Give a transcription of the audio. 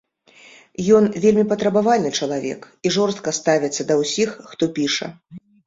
Ён вельмі патрабавальны чалавек і жорстка ставіцца да ўсіх, хто піша.